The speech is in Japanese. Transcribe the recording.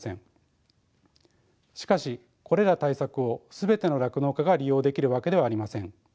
しかしこれら対策を全ての酪農家が利用できるわけではありません。